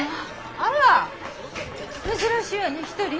あら珍しいわね１人？